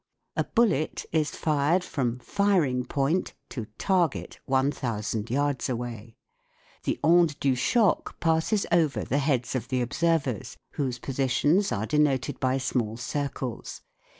A bullet is fired from " Firing Point " to " Target " loop yards away. The onde du choc . s over the heads of (he observers, whose positions are denoted by small circles.